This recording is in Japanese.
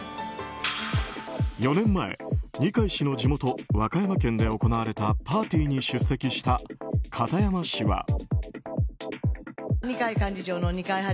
４年前、二階氏の地元和歌山県で行われたパーティーに出席した片山氏は。